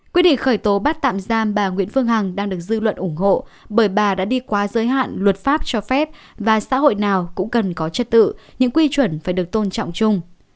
quyết định khởi tố bắt tạm giam bà nguyễn phương hằng đang được dư luận ủng hộ bởi bà đã đi qua giới hạn luật pháp cho phép và xã hội nào cũng cần có chất tự những quy chuẩn phải được tôn trọng chung